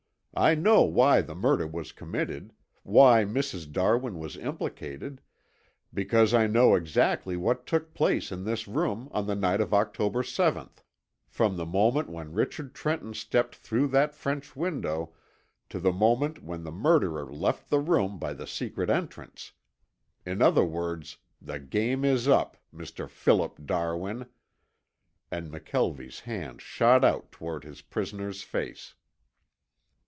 I know why the murder was committed, why Mrs. Darwin was implicated, because I know exactly what took place in this room on the night of October seventh, from the moment when Richard Trenton stepped through that French window to the moment when the murderer left the room by the secret entrance. In other words, the game is up Mr. Philip Darwin!" and McKelvie's hand shot out toward his prisoner's face.